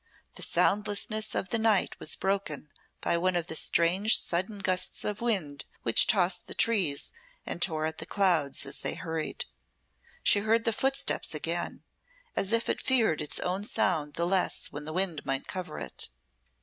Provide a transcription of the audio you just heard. The soundlessness of the night was broken by one of the strange sudden gusts of wind which tossed the trees, and tore at the clouds as they hurried. She heard the footsteps again, as if it feared its own sound the less when the wind might cover it.